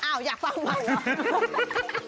อ้าวอยากฟังใหม่เหรอ